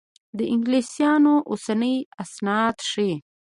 د انګلیسیانو اوسني اسناد ښيي.